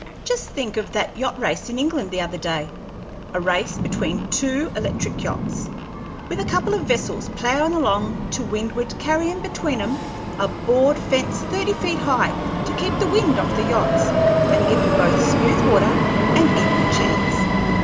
Just think of that yacht race in England the other day a race between two electric yachts, with a couple of vessels ploughin' along to windward carryin' between 'em a board fence thirty feet high to keep the wind off the yachts and give 'em both smooth water and equal chance.